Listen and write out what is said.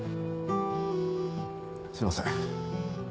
すいません。